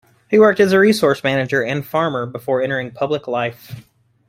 He worked as a resource manager and farmer before entering public life.